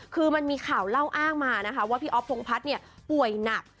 คือมันมีข่าวเล่าอ้างมานะคะว่าพี่อ๊อฟพงพัฒน์ป่วยหนัก